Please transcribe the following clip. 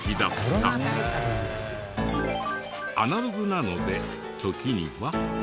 アナログなので時には。